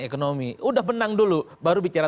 ekonomi sudah menang dulu baru bicara